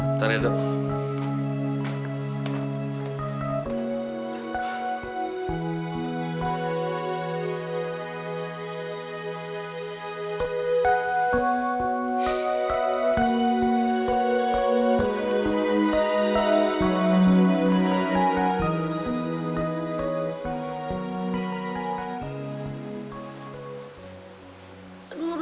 bentar ya dok